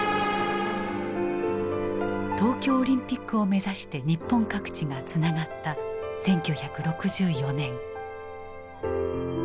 東京オリンピックを目指して日本各地がつながった１９６４年。